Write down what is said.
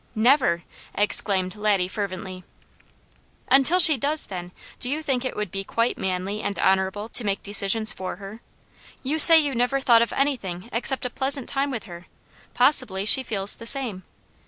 "Never!" exclaimed Laddie fervently. "Until she does, then, do you think it would be quite manly and honourable to make decisions for her? You say you never thought of anything except a pleasant time with her; possibly she feels the same.